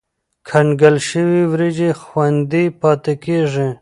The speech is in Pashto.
کنګل شوې وریجې خوندي پاتې کېږي.